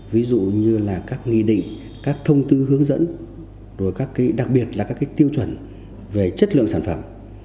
ví dụ như là các nghị định các thông tư hướng dẫn rồi đặc biệt là các tiêu chuẩn về chất lượng sản phẩm